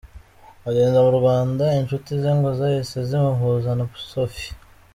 Ageze mu Rwanda inshuti ze ngo zahise zimuhuza na Sophie.